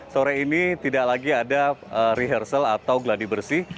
sore ini tidak lagi ada rehearsal atau gladi bersih